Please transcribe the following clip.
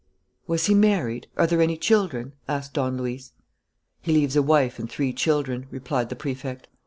"Was he married? Are there any children?" asked Don Luis. "He leaves a wife and three children," replied the Prefect.